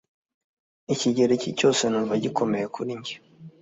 Ikigereki cyose numva gikomeye kuri njye